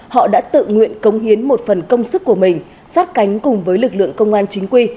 họ đã tự nguyện cống hiến một phần công sức của mình sát cánh cùng với lực lượng công an chính quy